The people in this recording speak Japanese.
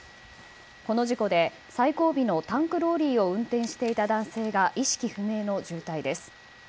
この事故で最後尾のタンクローリーを運転していた男性が意識不明の重体です。